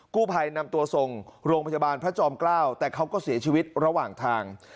กู้ภัยนำตัวส่งโรงพยาบาลพระจอมเกล้าแต่เขาก็เสียชีวิตระหว่างทาง